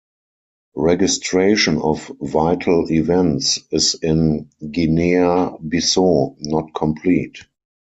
Registration of vital events is in Guinea-Bissau not complete.